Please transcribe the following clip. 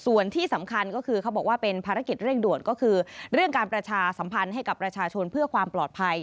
ส่วนที่สำคัญก็คือเขาบอกว่าเป็นภารกิจเร่งด่วนก็คือเรื่องการประชาสัมพันธ์ให้กับประชาชนเพื่อความปลอดภัย